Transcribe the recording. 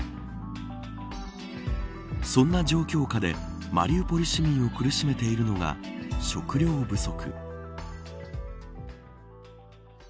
そんな状況下でマリウポリ市民を苦しめているのが食料不足。